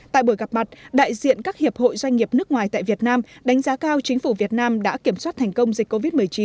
tại buổi gặp mặt đại diện các hiệp hội doanh nghiệp nước ngoài tại việt nam đánh giá cao chính phủ việt nam đã kiểm soát thành công dịch covid một mươi chín